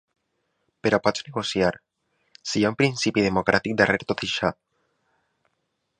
Però pots negociar, si hi ha un principi democràtic darrere tot això.